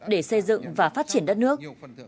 để xây dựng và phát triển đất nước